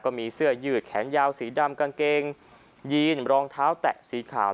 เสื้อยืดแขนยาวสีดำกางเกงยีนรองเท้าแตะสีขาว